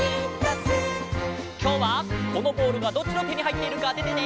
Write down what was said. きょうはこのボールがどっちのてにはいっているかあててね！